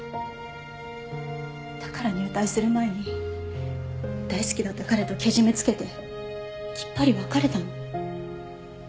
だから入隊する前に大好きだった彼とけじめつけてきっぱり別れたの。